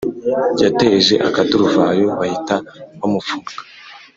Yateje akaduruvayo bahita bamufunga